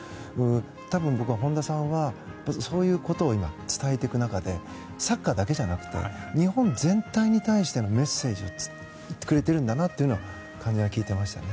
多分、本田さんはそういうことを伝えていく中でサッカーだけじゃなくて日本全体に対してのメッセージをずっとくれてるんだなということを感じましたね。